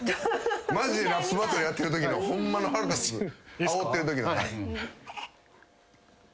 マジでラップバトルやってるときのホンマの腹立つあおってるときの。